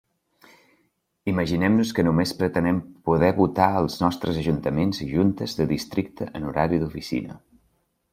Imaginem-nos que només pretenem poder votar als nostres ajuntaments i juntes de districte en horari d'oficina.